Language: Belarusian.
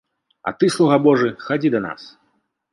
А ты, слуга божы, хадзі да нас.